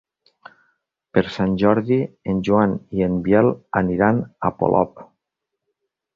Per Sant Jordi en Joan i en Biel aniran a Polop.